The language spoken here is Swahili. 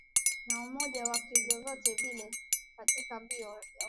na Umoja wa Kisovyeti katika mbio wa kuingia katika